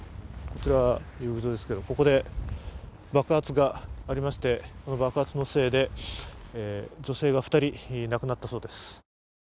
こちらは遊技場ですけれども、ここで爆発がありましてその爆発のせいで、女性が２人、亡くなったそうです。